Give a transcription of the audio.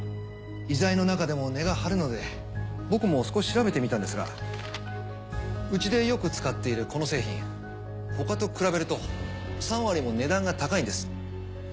医材のなかでも値が張るので僕も少し調べてみたんですがうちでよく使っているこの製品他と比べると３割も値段が高いんです。